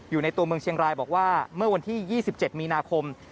อยู่ในตัวเมืองเชียงรายบอกว่าเมื่อวันที่๒๗มีนาคม